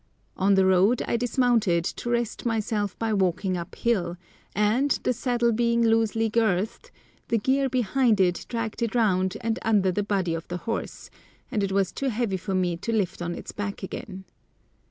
On the road I dismounted to rest myself by walking up hill, and, the saddle being loosely girthed, the gear behind it dragged it round and under the body of the horse, and it was too heavy for me to lift on his back again.